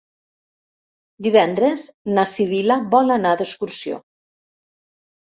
Divendres na Sibil·la vol anar d'excursió.